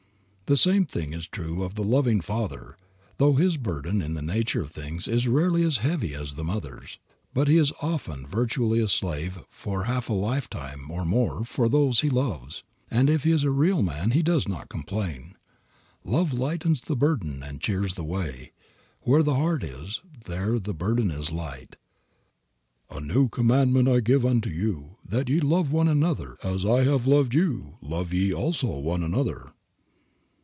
The same thing is true of the loving father, though his burden in the nature of things is rarely as heavy as the mother's. But he is often virtually a slave for half a lifetime or more for those he loves, and if he is a real man he does not complain. Love lightens the burden and cheers the way. Where the heart is, there the burden is light. "A new commandment give I unto you, that ye love one another; as I have loved you love ye also one another."